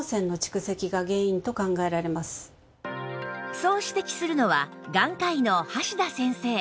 そう指摘するのは眼科医の橋田先生